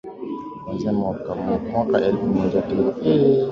kuanzia mwaka elfu moja mia tisa tisini na saba hadi elfu mbili na nne